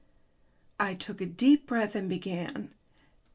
I took a deep breath and began.